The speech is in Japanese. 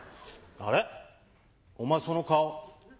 あれっお前その顔。